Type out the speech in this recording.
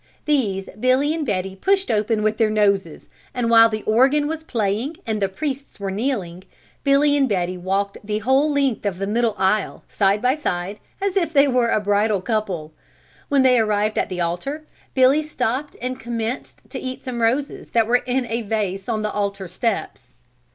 These Billy and Betty pushed open with their noses and while the organ was playing and the priests were kneeling, Billy and Betty walked the whole length of the middle aisle, side by side, as if they were a bridal couple. When they arrived at the altar, Billy stopped and commenced to eat some roses that were in a vase on the altar steps.